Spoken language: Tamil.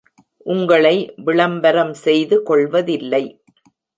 உங்களை விளம்பரம் செய்து கொள்வதில்லை.